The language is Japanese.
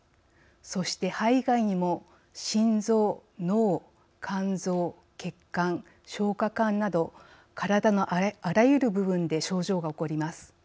そして肺以外にも心臓脳肝臓血管消化管など体のあらゆる部分で症状が起こります。